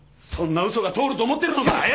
そんな嘘が通ると思ってるのか！？